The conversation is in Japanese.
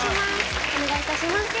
お願いいたします。